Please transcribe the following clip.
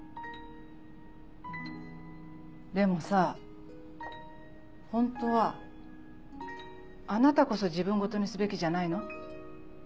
でもさホントはあなたこそ自分ごとにすべきじゃないの？